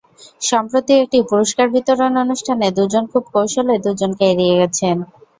সম্প্রতি একটি পুরস্কার বিতরণ অনুষ্ঠানে দুজন খুব কৌশলে দুজনকে এড়িয়ে গেছেন।